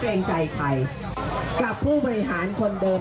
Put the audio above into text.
รัฐบาลนี้ใช้วิธีปล่อยให้จนมา๔ปีปีที่๕ค่อยมาแจกเงิน